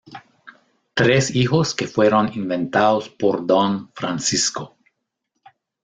Tres hijos que fueron inventados por Don Francisco.